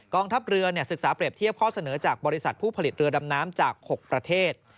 ทัพเรือศึกษาเปรียบเทียบข้อเสนอจากบริษัทผู้ผลิตเรือดำน้ำจาก๖ประเทศ